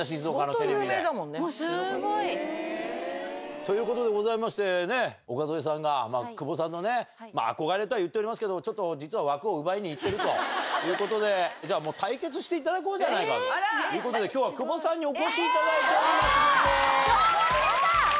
本当有名だもんね。ということでございまして、岡副さんが久保さんのね、憧れとは言っておりますけど、ちょっと実は枠を奪いにいってるということで、じゃあ、もう対決していただこうじゃないかということで、きょうは久保さんにお越しいただいております、どうぞ。